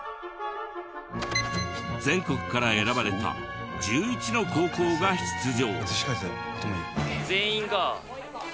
全国から選ばれた１１の高校が出場。